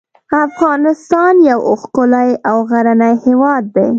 افغانستان یو ښکلی او غرنی هیواد دی .